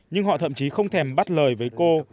nhưng họ thậm chí không thèm bắt lời với cô